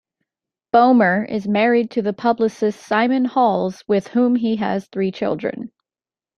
Bomer is married to the publicist Simon Halls with whom he has three children.